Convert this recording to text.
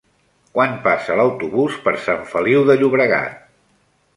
Quan passa l'autobús per Sant Feliu de Llobregat?